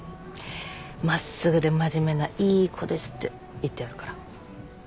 真っすぐで真面目ないい子ですって言ってあるから。